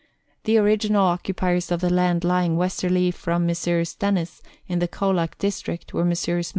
The original occupiers of the land lying westerly from Messrs. Dennis, in the Colac district, were Messrs.